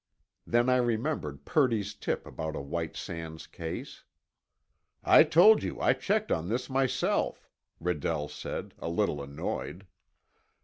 Then I remembered Purdy's tip about a White Sands case. "I told you I checked on this myself," Redell said, a little annoyed.